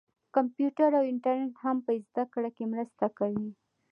کمپیوټر او انټرنیټ هم په زده کړه کې مرسته کوي.